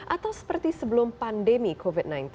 atau seperti sebelum pandemi covid sembilan belas